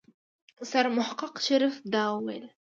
سرمحقق شريف دا وويل.